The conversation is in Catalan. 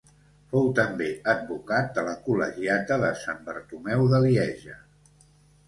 Fou també advocat de la col·legiata de Sant Bartomeu de Lieja.